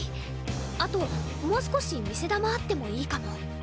あともう少し見せ球あってもいいかも。